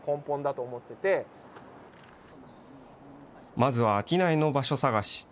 まずは商いの場所探し。